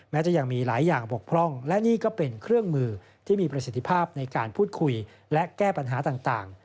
จะยังมีหลายอย่างบกพร่องและนี่ก็เป็นเครื่องมือที่มีประสิทธิภาพในการพูดคุยและแก้ปัญหาต่าง